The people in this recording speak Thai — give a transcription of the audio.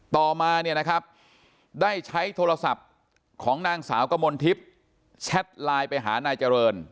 ต่อมาเนี่ยนะครับได้ใช้โทรศัพท์ของนางสาวกมลทิพย์แชทไลน์ไปหานายเจริญ